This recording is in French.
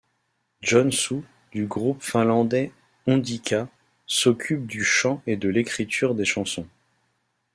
Jonsu, du groupe finlandais Indica, s'occupe du chant et de l'écriture des chansons.